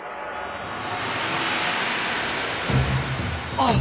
あっ。